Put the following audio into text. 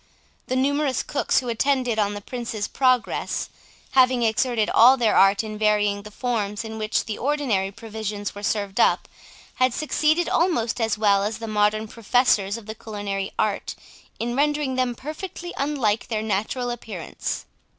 The numerous cooks who attended on the Prince's progress, having exerted all their art in varying the forms in which the ordinary provisions were served up, had succeeded almost as well as the modern professors of the culinary art in rendering them perfectly unlike their natural appearance.